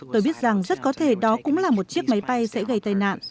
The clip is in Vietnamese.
tôi biết rằng rất có thể đó cũng là một chiếc máy bay sẽ gây tai nạn